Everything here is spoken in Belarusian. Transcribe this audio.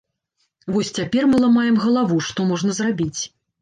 Вось цяпер мы ламаем галаву, што можна зрабіць.